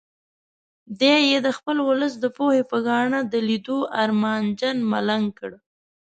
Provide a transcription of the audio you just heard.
دی یې د خپل ولس د پوهې په ګاڼه د لیدو ارمانجن ملنګ کړ.